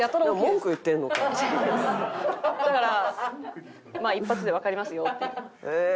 だから一発でわかりますよっていう。